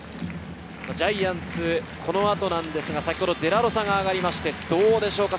ジャイアンツ、この後なんですが、先ほどデラロサが上がりまして、どうでしょうか？